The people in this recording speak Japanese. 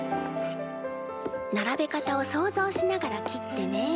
並べ方を想像しながら切ってね。